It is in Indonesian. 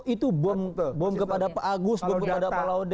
itu bom kepada pak agus bom kepada pak laude